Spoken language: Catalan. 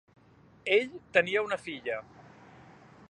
Ell tenia una filla.